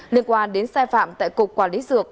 liên quan đến sai phạm tại cục quản lý dược